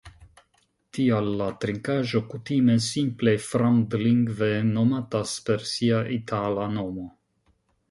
Tial la trinkaĵo kutime simple framdlingve nomatas per sia itala nomo.